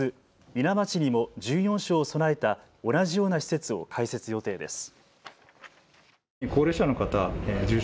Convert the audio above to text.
伊奈町にも１４床を備えた同じような施設を開設予定です。